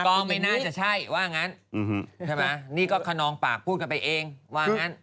ก็ไม่น่าจะใช่ว่างั้นใช่ไหมนี่ก็ขนองปากพูดกันไปเองว่างั้น